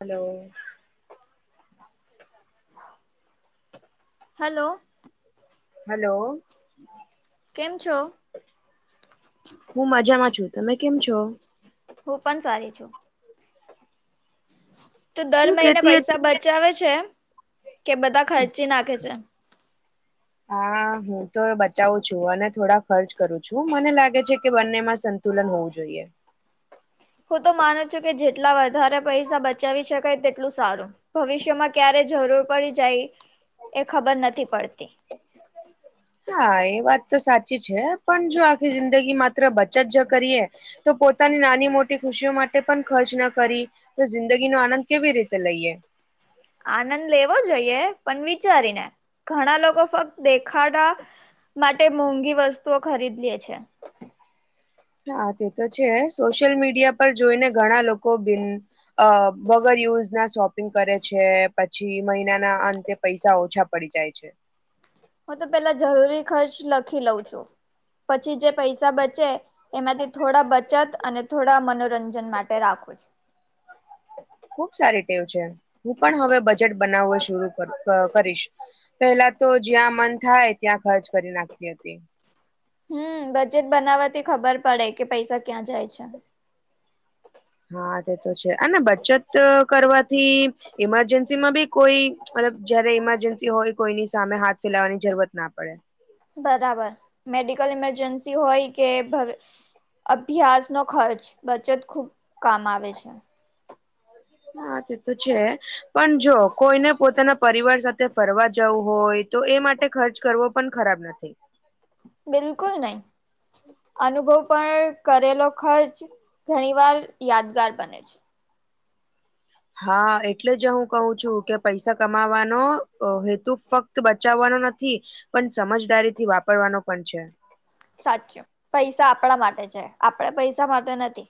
Hello. હા. Hello hello કેમ છો? હું મજામાં છું. તમે કેમ છો? હું પણ સારી છું. તો દર હું મહિને કેતી હતી પૈસા બચાવે છે કે બધા ખર્ચી નાખે છે. હા હું તો બચાવું છું અને થોડા ખર્ચ કરું છું. મને લાગે છે કે બંનેમાં સતુ સતુલન હોવું જોઈએ. હું તો માનું છું કે જેટલા વધારે પૈસા બચાવી શકાય તેટલું સારું. ભવિષ્યમાં ક્યારે જરૂર પડી જાય એ ખબર નથી પડતી. હા એ વાત તો સાચી છે પણ જો આખી જિંદગી માત્ર બચત જો કરીએ તો પોતાની નાની મોટી ખુશીઓ માટે પણ ખર્ચ ના કરી. તો જિંદગી નો આનંદ કેવી રીતે લઈએ. આનંદ લેવો જોઈએ પણ વિચારીને ઘણા લોકો ફક્ત દેખાડા માટે મોંઘી વસ્તુઓ ખરીદી લે છે. હા તે તો છે સોશિયલ મીડિયા પર જોઈને ઘણા લોકો બિન અ વગર યુઝ ના શોપિંગ કરે છે પછી મહિનાના અંતે પૈસા ઓછા પડી જાય છે. હું તો પેલા જરૂરી ખર્ચ લખી લઉં છું પછી જે પૈસા બચે એમાંથી થોડા બચત અને થોડા મનોરંજન માટે રાખું છુ. ખુબ સારી ટેવ છે હું પણ હવે બજેટ બનાવવું શુર કરીશ. પહેલા તો જ્યાં મન થાય ત્યાં ખર્ચ કરી નાખતી હતી. હમ બજેટ બનાવવાથી ખબર પડે કે પૈસા ક્યાં જાય છે. હા તે તો છે અને બચત કરવાથી ઈમરજન્સી માં બી કોઈ મતલબ જયારે ઈમરજન્સી હોય કોઈની સામે હાથ ફેલાવાની જરૂરત ના પડે. બરાબર મેડિકલ ઇમરજન્સી હોય કે ભ અભ્યાસ નો ખર્ચ બચત ખૂબ કામ આવે છે. હા તે તો છે. પણ જો કોઈને પોતાના પરિવાર સાથે ફરવા જવું હોય તો એ માટે ખર્ચ કરવો પણ ખરાબ નથી. બિલકુલ નહી. અનુભવ પણ કરેલો ખર્ચ ઘણી વાર યાદગાર બને છે. હા એટલે જ હું કહું છું કે પૈસા કમાવાનો હેતુ ફક્ત તો બચાવવાનો નથી પણ સમજદારી થી વાપરવાનો પણ છે. સાચું પૈસા આપણા માટે છે આપડે પૈસા માટે નથી.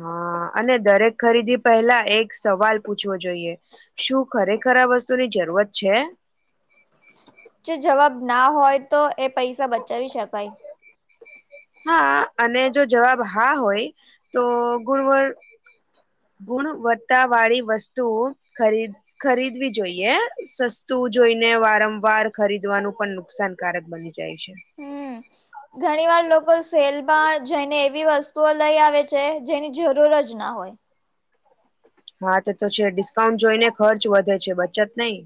હા અને દરેક ખરીદી પહેલા એક સવાલ પૂછવો જોઈએ. શું ખરેખર આ વસ્તુની જરૂરત છે. જો જવાબ ના હોય તો એ પૈસા બચાવી શકાય. હા અને જો જવાબ હા હોય તો ગુણવ ગુણવત્તા વાળી વસ્તુઓ ખરીદ ખરીદવી જોઈએ સસ્તું જોઈને વારંવાર ખરીદવાનું પણ નુકસાન કારક બની જાય છે. હમ. ઘણી વાર લોકો સેલમાં જઈને એવી વસ્તુઓ લઈ આવે છે જેની જરૂર જ ના હોય. હા તો તો છે ડિસ્કાઉન્ટ જોઈને ખર્ચ વધે છે બચત નઈ.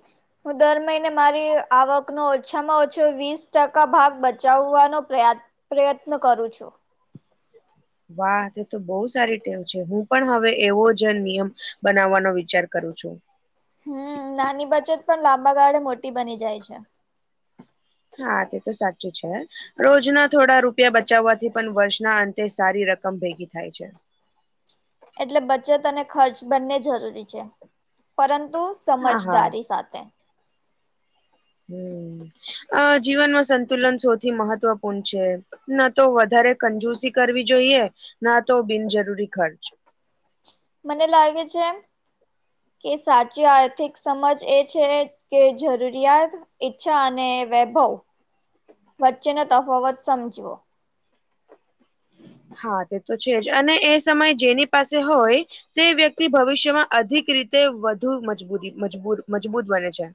હ. હું દર મહિને મારી આવકનો ઓછામાં ઓછો વીસ ટકા ભાગ બચાવવાનો પ્રયાત્ પ્રયત્ન કરું છું. વાહ તે તો બહુ સારી ટેવ છે હું પણ હવે એવો જ નિયમ બનાવવાનો વિચાર કરું છું. હમ નાની બચત પણ લાંબા ગાળે મોટી બની જાય છે. હા તે તો સાચું છે. રોજના થોડા રૂપિયા બચાવવાથી પણ વર્ષના અંતે સારી રકમ ભેગી થાય છે. એટલે બચત અને ખર્ચ બંને જરૂરી છે, પરંતુ હા હા સમજદારી સાથે. હમ અ જીવનમાં સંતુલન સૌથી મહત્વપૂર્ણ છે. ના તો વધારે કંજૂસી કરવી જોઈએ ના તો બિનજરૂરી ખર્ચ. મને લાગે છે. કે સાચી આર્થિક સમજ એ છે કે જરૂરિયાત ઈચ્છા અને વૈભવ વચ્ચેનો તફાવત સમજવો. હા તે તો છે જ અને એ સમય જેની પાસે હોય. તે વ્યક્તિ ભવિષ્યમાં અધિક રીતે વધુ મજબૂરી મજબૂર મજબૂત બને છે.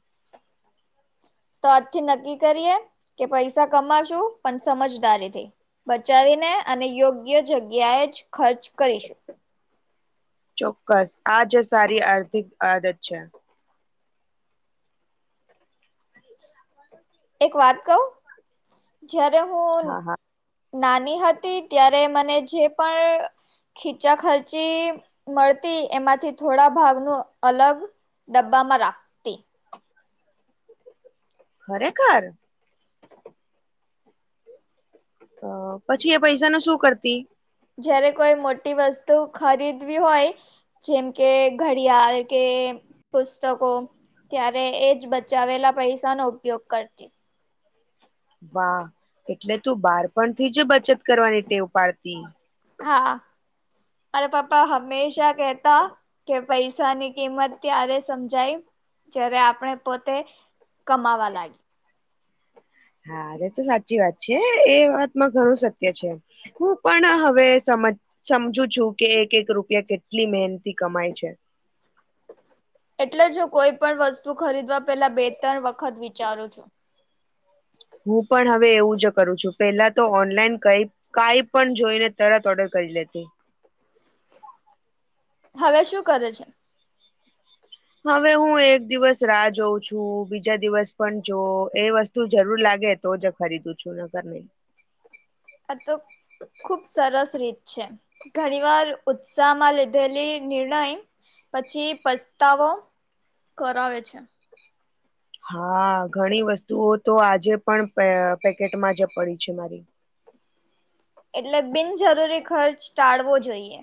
તો આજથી નક્કી કરીએ કે પૈસા કમાશું પણ સમજદારીથી. બચાવીને અને યોગ્ય જગ્યાએ જ ખર્ચ કરીશું. ચોક્કસ આ જે સારી આર્થિક આદત છે. એક વાત કહ, જ્યારે હું હા હા. નાની હતી ત્યારે મને જે પણ ખીચા ખર્ચી મળતી એમાંથી થોડા ભાગનું અલગ ડબ્બામા રા ખરેખર. તો પછી એ પૈસા ન શું કરતી? જયારે કોઈ મોટી વસ્તુ ખરીદવી હોય. જેમ કે ઘડિયાળ કે પુસ્તકો. ત્યારે એ જ બચાવેલા પૈસાનોો ઉપયોગ કરતી. વાહ એટલે તું બારપણ થી જ બચત કરવાની ટેવ પાડતી. હા, અ પાપ્પા હમેશા કહેતા કે પૈસા ની કિંમત ત્યારે સમજાય જય્યારે આપણે પોતે. કમાવા લાગે. હા અરે તો સાચી વાત છે એ વાતમાં ઘણું સત્ય છે. હું પણ હવે સમજ સમજુ છું કે એક એક રૂપિયા કેટલી મહેનથી કમાય છે. એટલે હું કોઈ પણ વસ્તુ ખરીદવા પેલા બે ત્રણ વખત વિચારું છું. હું પણ હવે એવું જ કરું છું પેલા તો ઓનલાઈન કઈ કાઈ પણ જોઈને તરત ઓર્ડર કરી લેતી. હવે શું કરે છે? હવે હું એક દિવસ રાહ જોઉં છું બીજા દિવસ પણ જો એ વસ્તુ તું જરૂર લાગે તો જ ખરીદું છું નગર નઈ. અ તો ખુબ સરસ રીત છે, ઘણી વાર ઉત્સાહ માં લીધેલી નિર્ણય. પછી પસ્તાવો કરાવે છે. હા ઘણી વસ્તુઓ તો આજે પણ પેકેટમાં જ પડી છે મારી. એટલે બિનજરૂરી ખર્ચ ટાળવો જોઈએ.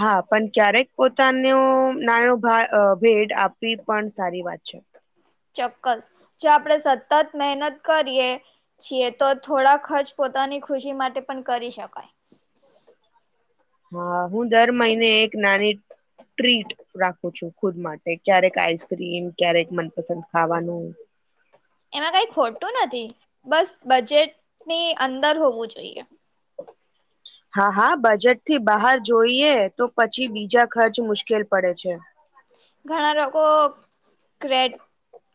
હા પણ ક્યારેક પોતાનો નાનો ભેડ આપવી પણ સારી વાત છે. ચોક્કસ જો આપડે સતત મહેનત કરીએ. છીએ તો થોડા ખર્ચ પોતાની ખુશી માટે પણ કરી શકાય. હા હું દર મહિને એક નાની ટ્રીટ રાખું છું ખુદ માટે ક્યારેક આઈસક્રીમ ક્યારેક મનપસંદ ખાવાનું. એમાં કઈ ખોટું નથી બસ બજેટની અંદર હોવું જોઈએ. હા હા બજેટ થી બહાર જોઈએ તો પછી બીજા ખર્ચ મુશ્કેલ પડે છે. ઘણા લોકો ક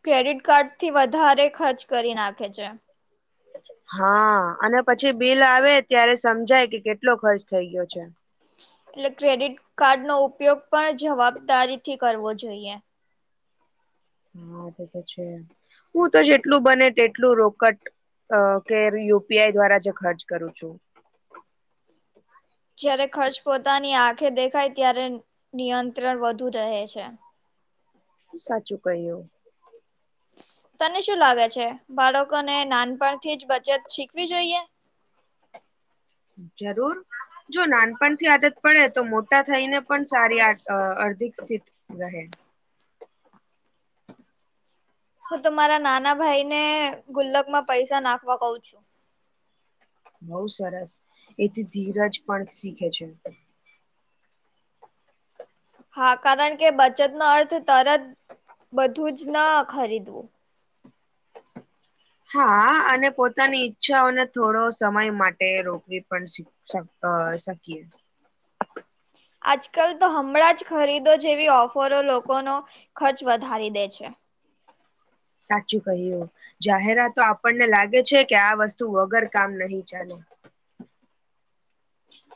ક્રેડિટ કાર્ડ થી વધારે ખર્ચ કરી નાખે છે. હા અને પછી બિલ આવે ત્યારે સમજાય કે કેટલો ખર્ચ થઇ ગયો છે. એટલે ક્રેડિટ કાર્ડ નો ઉપયોગ પણ જવાબદારી થી કરવો જોઈએ. હા તો તો છે, હું તો જેટલું બને તેટલું રોકટ અ કે યુ પી આઈ દ્વારા જે ખર્ચ કરું છું. જયારે ખર્ચ પોતાની આંખે દેખાય ત્યારે નિયંત્રણ વધુ રહે છે. સાચું ક્યું. તને શું લાગે છે બાળકોને નાનપણથી જ બચત શીખવી જોઈએ. જરૂર. જો નાનપણ થી આદત પડે તો મોટા થઈને પણ સારી આ અર્ધિક સ્થિતિ જહે. હું તો મારા નાના ભાઈ ને ગુલ્લક માં પૈસા નાખવા કઉ છું. બઉુ સરસ એથી ધીરજ પણ શીખે છે. હા કારણ કે બચત નો અર્થ તરત બધું જ ન ખરીદવું. હા અને પોતાની ઈચ્છાઓને થોડો સમય માટે રોકવી પણ શીખ. શ અ શકીયે. આજકાલ તો હમણાં જ ખરીદો જેવી ઓફરો લોકોનો ખર્ચ વધારી દે છે. સાચું ક્યું. જાહેરાતો આપણને લાગે છે કે આ વસ્તુ વગર કામ નહી ચાલે.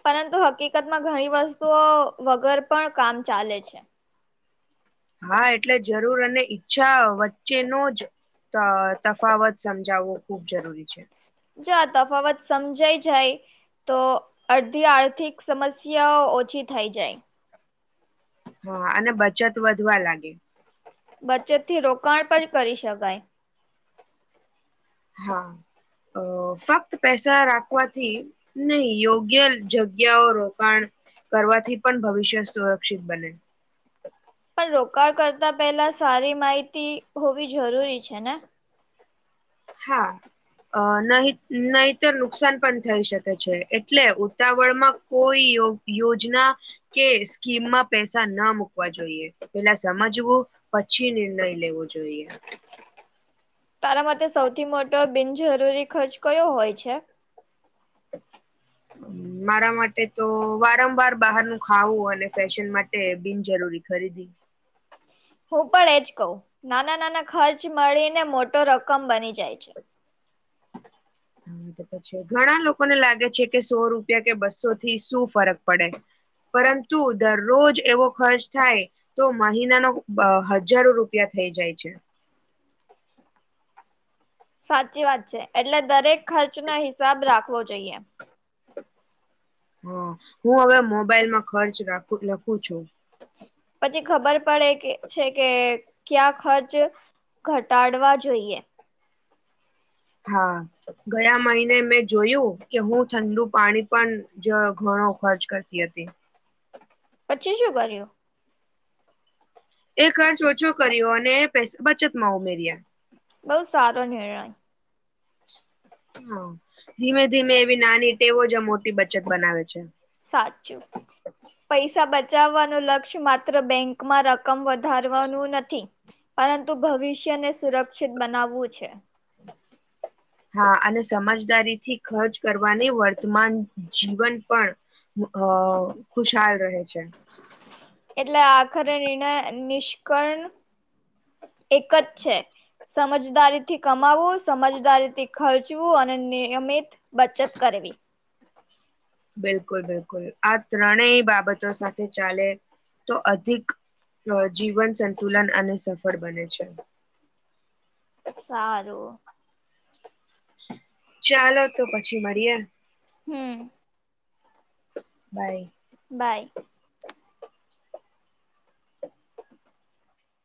પરંતુ હકી હકીકતમાં ઘણી વસ્તુઓ વગર પણ કામ ચાલે છે. હા એટલે જરૂર અને ઈચ્છા વચ્ચેનો જ. અ તફાવત સમજાવવો ખુબ જરૂરી છે. જો તફાવત સમજાઈ જાય. તો અડધી આર્થિક સમસ્યાઓ ઓછી થઈ જાય. હા અને બચત વધવા લાગે. બચત થી રોકાણ પણ કરી શકાય. હા અ ફક્ત પૈસા રાખવાથી નહી યોગ્ય જગ્યાઓ રોકણ કરવાથી પણ ભવિષ્ય સુરક્ષિત બને. પણ રોકાણ કરતા પેલા સારી માહિતી હોવી જરૂરી છે ને. હા. અ નહી નહીતર નુકસાન પણ થઈ શકે છે એટલે ઉતાવળ માં કોઈ યોગ યોજના કે સ્કીમમાં પૈસા ના મુૂકવા જોઈએ પેલા સમજવું પછી નિર્ણય લેવો જોઈએ. તારા માટે સૌથી મોટો બિનજરૂરી ખર્ચ કયો હોય છે. [unintelligible] મારા માટે તો વારંવાર બહારનું ખાવું અને ફેશન માટે બિનજરૂરી ખરીદી હું પણ એજ કહ્યું નાના નાના ખર્ચ મળીને મોટો રકમ બની જાય છે. હા તો તો છે ઘણા લોકોને લાગે છે કે સો રૂપિયા કે બસો થી શું ફરક પડે. પરંતુ દરરોજ એવો ખર્ચ થાય. તો મહિના નો અ હજારો રૂપિયા થઈ જાય છે. સાચી વાત છે એટલે દરેક ખર્ચ નો હિસાબ રાખવો જોઈએ. હા હું હવે મોબાઈલમાં ખર્ચ રાખ લખું છું. પછી ખબર પડે કે છે કે ક્યા ખર્ચ ઘટાડવા જોઈએ. હા. ગયા મહિને મેં જોયું કે હું ઠંડુ પાણી પણ જ ઘણો ખર્ચ કરતી હતી. પછી સુ કરયુ. એ ખર્ચ ઓછો કર્યો અને બચતમાં ઉમેર્યા. બઉુ સારો નિર્ણય. હા ધીમે ધીમે એવી નાની ટેવો જ મોટી બચત બનાવે છે. સાચું. પૈસા બચાવવાનું લક્ષ્ય માત્ર બેંકમાં રકમ વધારવાનું નથી. પરંતુ ભવિષ્યને સુરક્ષિત બનાવવું છે. હા અને સમજદારી થી ખર્ચ કરવાની વર્તમાન જીવન પણ અ ખુશહાલ રહે છે. એટલે આખરે નિર્ણ નિષ્કણ એક જ છે. સમજદારીથી કમાવવું સમજદારીથી ખર્ચવું અને નિયમિત બચત કરવી. બિલકુલ બિલકુલ આ ત્રણેય બાબતો સાથે ચાલે તો અધિક જીવન સંકુલન અને સફળ બને છે. સારું ચાલો તો પછી મળીએે. હમ બાય બાય